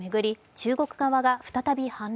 中国側が再び反論。